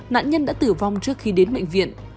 nạn nhân đã tử vong trước khi đến bệnh viện